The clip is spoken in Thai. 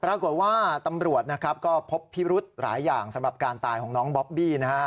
ปรากฏว่าตำรวจนะครับก็พบพิรุธหลายอย่างสำหรับการตายของน้องบอบบี้นะฮะ